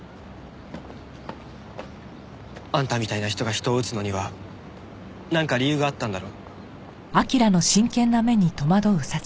あんたみたいな人が人を撃つのにはなんか理由があったんだろ？